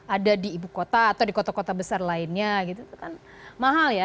ada di ibu kota atau di kota kota besar lainnya gitu kan mahal ya